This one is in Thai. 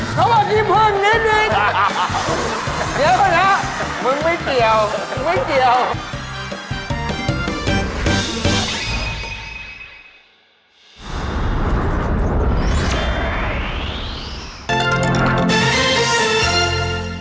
เยอะนะมึงไม่เกี่ยวไม่เกี่ยว